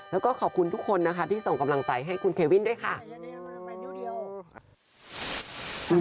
แล้วก็ขอบคุณทุกคนนะคะที่ส่งกำลังใจให้คุณเควินด้วยค่ะ